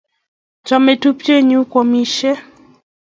Chamei tupche nyu koamisyei